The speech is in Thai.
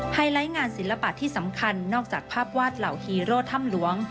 ไลท์งานศิลปะที่สำคัญนอกจากภาพวาดเหล่าฮีโร่ถ้ำหลวง